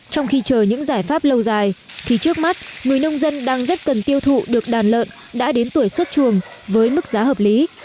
trong khi chờ những giải pháp lâu dài thì trước mắt người nông dân đang rất cần tiêu thụ được đàn lợn đã đến tuổi xuất chuồng với mức giá hợp lý